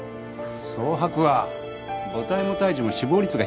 早剥は母体も胎児も死亡率が低くないんだ。